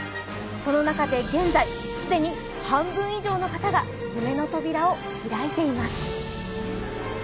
その中で現在、既に半分以上の方が夢の扉を開いています。